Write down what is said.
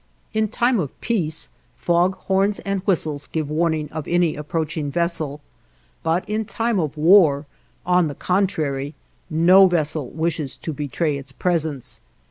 In time of peace fog horns and whistles give warning of any approaching vessel, but in time of war, on the contrary, no vessel wishes to betray its presence.